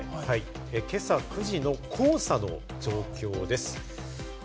今朝９時の黄砂の状況です。